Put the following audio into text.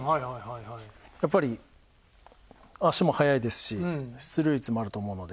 やっぱり足も速いですし出塁率もあると思うので。